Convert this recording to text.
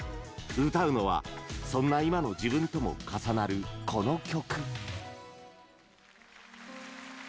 歌うのは、そんな今の自分とも重なるこの曲。